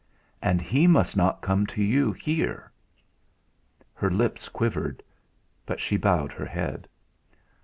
And he must not come to you, here." Her lips quivered; but she bowed her head.